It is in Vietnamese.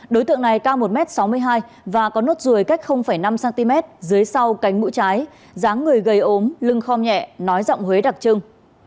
đối tượng này cao một m sáu mươi hai và có nốt ruồi cách năm cm dưới sau cánh mũi trái ráng người gầy ốm lưng kho nhẹ nói giọng huế đặc trưng